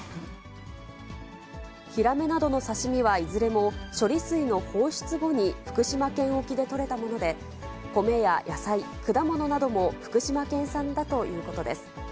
ヒラメなどの刺身はいずれも、処理水の放出後に福島県沖で取れたもので、米や野菜、果物なども福島県産だということです。